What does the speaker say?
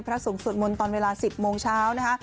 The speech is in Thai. พระสงฆ์สวดมนต์ตอนเวลา๑๐โมงเช้านะคะ